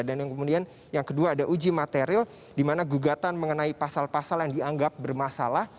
dan kemudian yang kedua ada uji materil dimana gugatan mengenai pasal pasal yang dianggap bermasalah